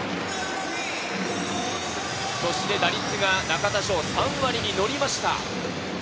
そして打率が３割に乗りました。